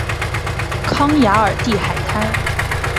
康雅尔蒂海滩。